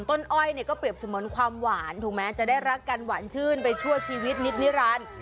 อ้อยเนี่ยก็เปรียบเสมือนความหวานถูกไหมจะได้รักกันหวานชื่นไปชั่วชีวิตนิดนิรันดิ์